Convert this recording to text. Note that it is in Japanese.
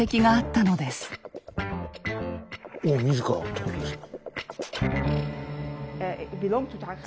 王自らってことですか。